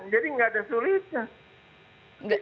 jadi tidak ada sulitnya